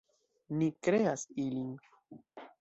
Ni kreas ilin!